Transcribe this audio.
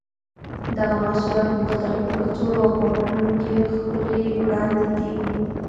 دغه محصولات په مختلفو کڅوړو او پاکټونو کې ښکلي وړاندې کېږي.